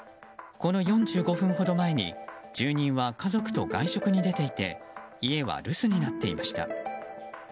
この４５分ほど前に住人は家族と外食に出ていて家は留守になっていました。